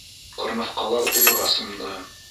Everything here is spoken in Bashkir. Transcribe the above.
Ҡырмыҫҡалар уйға сумды.